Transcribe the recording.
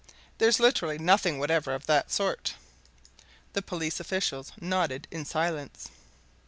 There's literally nothing whatever of that sort." The police officials nodded in silence.